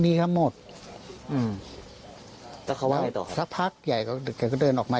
พี่บุหรี่พี่บุหรี่พี่บุหรี่พี่บุหรี่พี่บุหรี่